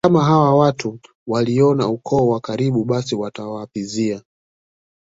kama hawa watu walioana katika ukoo wa karibu basi watawaapizia